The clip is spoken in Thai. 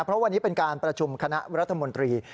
เพราะวันนี้เป็นการประชุมคณะรัฐมนตรี